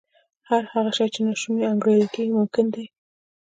هر هغه شی چې ناشونی انګېرل کېږي ممکن دی